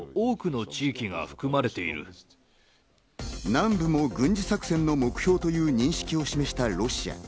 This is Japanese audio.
南部も軍事作戦の目標という認識を示したロシア。